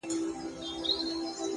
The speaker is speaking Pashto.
را روان په شپه كــــي ســـېــــــل دى’